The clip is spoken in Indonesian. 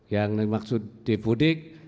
yang dimaksud depudik